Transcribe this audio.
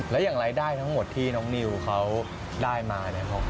แล้วอย่างรายได้ทั้งหมดที่น้องนิวเขาได้มาเนี่ย